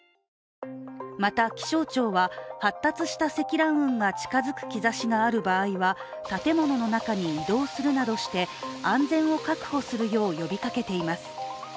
また気象庁は、発達した積乱雲が近づく兆しがある場合は建物の中に移動するなどして安全を確保するよう呼びかけています。